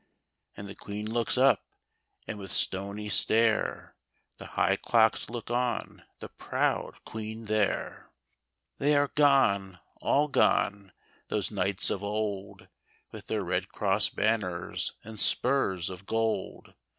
And the Queen looks up, and with stony stare The high clocks look on the proud Queen there. They are gone, all gone, those knights of old. With their red cross banners and spurs of gold.